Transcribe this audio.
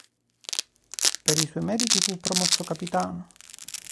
Per i suoi meriti fu promosso capitano.